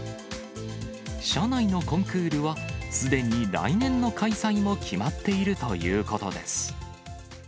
社内のコンクールはすでに来年の開催も決まっているということです。